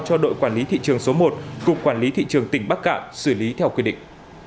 cho đội quản lý thị trường số một cục quản lý thị trường tỉnh bắc cạn xử lý theo quy định